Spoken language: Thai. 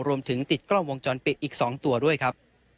ติดกล้องวงจรปิดอีก๒ตัวด้วยครับ